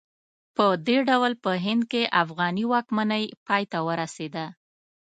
په دې ډول په هند کې افغاني واکمنۍ پای ته ورسېده.